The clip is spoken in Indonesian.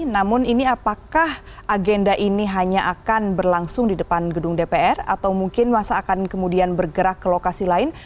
namun ini apakah agenda ini hanya akan berlangsung di depan gedung dpr atau mungkin masa akan kemudian bergerak ke lokasi lain